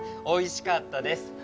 おいしかったです。